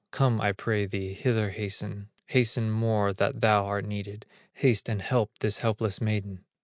Come I pray thee, hither hasten, Hasten more that thou art needed, Haste and help this helpless maiden!"